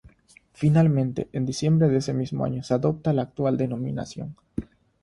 Finalmente, en diciembre de ese mismo año se adopta la actual denominación.